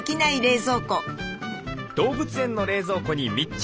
動物園の冷蔵庫に密着！